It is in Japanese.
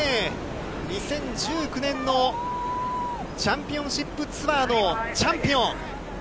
２０１９年のチャンピオンシップツアーのチャンピオン。